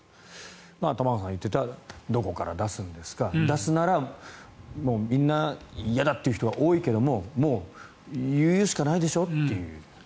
玉川さんが言っていたどこから出すんですか出すなら、みんな嫌だという人は多いけどももう言うしかないでしょという。